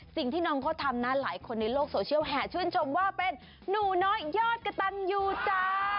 สิ่งที่น้องเขาทำนะหลายคนในโลกโซเชียลแห่ชื่นชมว่าเป็นหนูน้อยยอดกระตันยูจ้า